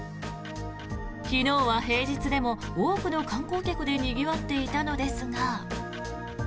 昨日は平日でも多くの観光客でにぎわっていたのですが。